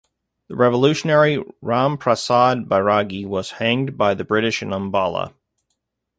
The revolutionary Ram Prasad Bairagi was hanged by the British in Ambala.